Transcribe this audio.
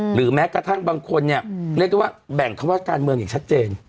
หรือแม้กระทั่งบางคนเนี่ยเรียกได้ว่าแบ่งคำว่าการเมืองอย่างชัดเจน